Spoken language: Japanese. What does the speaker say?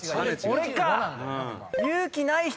俺か！